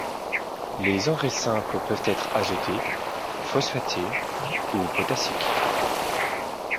Les engrais simples peuvent être azotés, phosphatés ou potassiques.